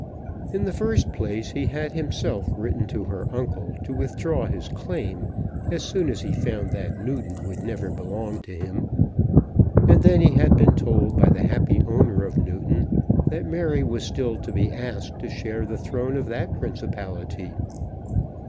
In the first place, he had himself written to her uncle to withdraw his claim as soon as he found that Newton would never belong to him; and then he had been told by the happy owner of Newton that Mary was still to be asked to share the throne of that principality.